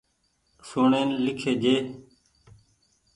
سون ڙين لکي جي۔